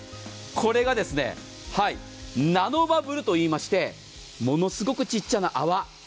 これがナノバブルといいましてものすごく小さな泡。